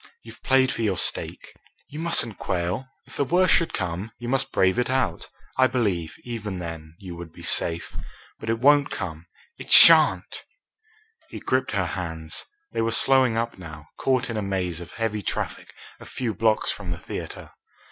You've played for your stake. You mustn't quail; if the worst should come, you must brave it out. I believe, even then, you would be safe. But it won't come it shan't!" He gripped her hands. They were slowing up now, caught in a maze of heavy traffic a few blocks from the theatre.